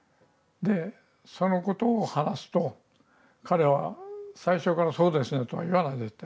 そのことを話すと彼は最初から「そうですね」とは言わないです絶対。